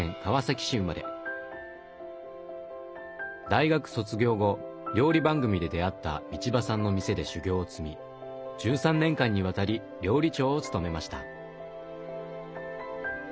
大学卒業後料理番組で出会った道場さんの店で修業を積み１３年間にわたり料理長を務めました。